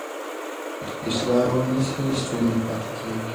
که اصلاح ونه سي ستونزې پاتې کېږي.